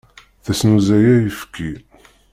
Teznuzay ayefki.